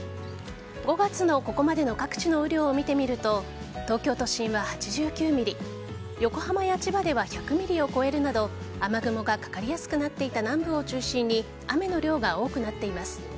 ５月のここまでの各地の雨量を見てみると東京都心は８９ｍｍ横浜や千葉では１００ｍｍを超えるなど雨雲がかかりやすくなっていた南部を中心に雨の量が多くなっています。